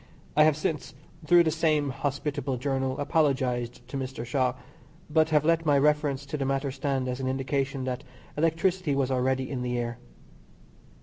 I have since, through the same hospitable journal, apologised to Mr. Shaw, but have let my reference to the matter stand as an indication that electricity was already in the air.